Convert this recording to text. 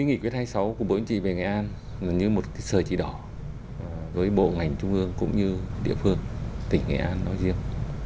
nghị quyết hai mươi sáu của bộ yên trì về nghệ an là như một sở chỉ đỏ với bộ ngành trung ương cũng như địa phương tỉnh nghệ an nói riêng